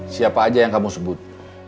siapa aja yang kamu sebut